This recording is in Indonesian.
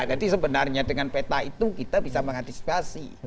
jadi sebenarnya dengan peta itu kita bisa mengantisipasi